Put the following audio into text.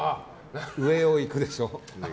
上をいくでしょ。